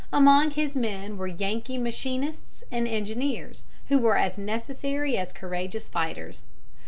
Among his men were Yankee machinists and engineers, who were as necessary as courageous fighters.